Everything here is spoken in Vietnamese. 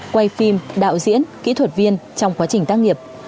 quay phim đạo diễn kỹ thuật viên trong quá trình tác nghiệp